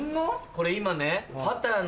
これ今ね。